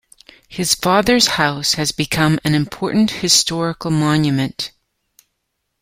His father's house has become an important historical monument.